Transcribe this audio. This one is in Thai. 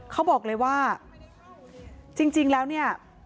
เขาบอกเลยว่าจริงแล้วเนี่ย